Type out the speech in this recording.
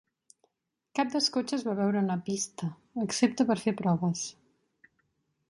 Cap dels cotxes va veure una pista excepte per fer proves.